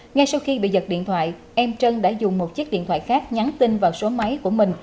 ngay sau khi bị giật điện thoại em trân đã dùng một chiếc điện thoại khác nhắn tin vào số máy của mình